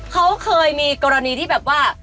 เขาเคยมีกรณีที่แบบว่า